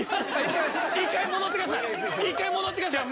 一回戻ってください。